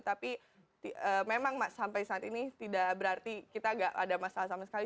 tapi memang sampai saat ini tidak berarti kita tidak ada masalah sama sekali